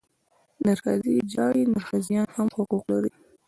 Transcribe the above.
نرښځی ژاړي، نرښځيان هم حقوق لري.